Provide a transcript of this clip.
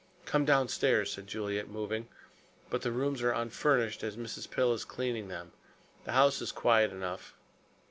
"Come downstairs," said Juliet, moving, "but the rooms are unfurnished as Mrs. Pill is cleaning them. The house is quiet enough."